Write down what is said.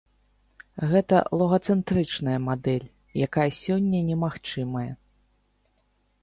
Гэта логацэнтрычная мадэль, якая сёння немагчымая.